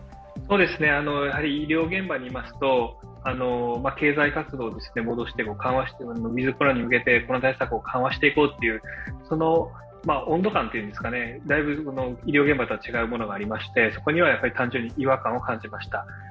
医療現場にいますと経済活動にしてもウィズ・コロナに向けて水際対策を緩和していこうという温度感というんですかね、だいぶ医療現場とは違うものがありましてそこには単純に違和感を感じました。